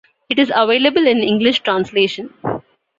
It is available in English translation.